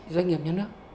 doanh nghiệp nhà nước